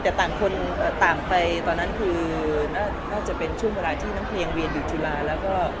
แต่ต่างคนต่างไปตอนนั้นคือน่าจะเป็นช่วงเวลาที่น้ำเพลงเรียนอยู่จุฬาแล้วก็